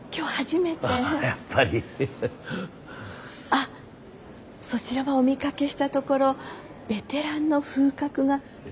あっそちらはお見かけしたところベテランの風格がおありですわね。